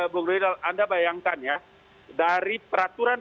bu gubernur anda bayangkan ya dari peraturan